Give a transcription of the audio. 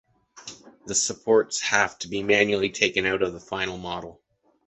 The supports have to be manually taken out of the final model.